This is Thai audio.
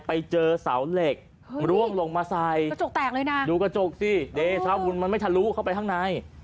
ไปเจอเสาเหล็กร่วงลงมาใส่ดูกระจกสิมันไม่ทะลุเข้าไปข้างใน